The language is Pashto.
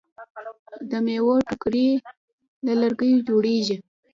د میوو ټوکرۍ له لرګیو جوړیږي.